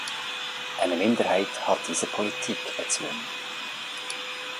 Eine Minderheit hat diese Politik erzwungen.